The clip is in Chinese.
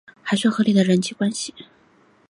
还算合理的人际关系